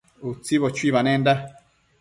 Utsibo chuibanenda